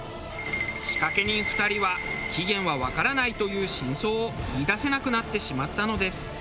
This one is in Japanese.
仕掛け人２人は起源はわからないという真相を言い出せなくなってしまったのです。